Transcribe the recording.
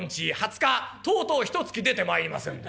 とうとうひとつき出てまいりませんで。